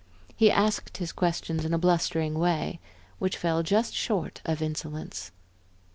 He asked his questions in a blustering way, which fell just short of insolence.